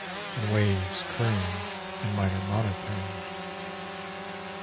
And waves croon in minor monotone.